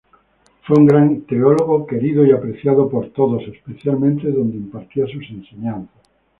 Fue un gran teólogo, querido y apreciado por todos, especialmente donde impartía sus enseñanzas.